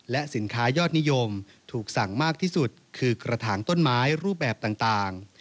และสินค้ายอดนิยมถูกสั่งมากที่สุดคือกระถางต้นไม้รูปแบบต่าง